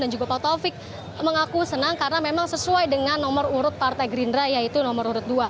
dan juga pak taufik mengaku senang karena memang sesuai dengan nomor urut partai gerindra yaitu nomor urut dua